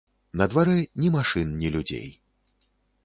На дварэ ні машын, ні людзей.